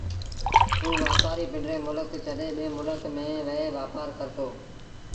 اُ وآپآري پنڊرو ملڪ ڇڏي ٻي ملڪ ميݩ وهي وآپآر ڪرتو